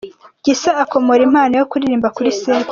Gisa akomora impano yo kuririmba kuri sekuru